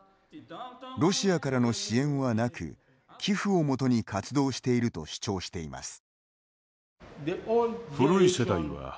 ロシアからの支援はなく寄付を元に活動していると主張しています。